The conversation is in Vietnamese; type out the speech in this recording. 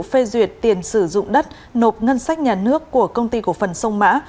phê duyệt tiền sử dụng đất nộp ngân sách nhà nước của công ty cổ phần sông mã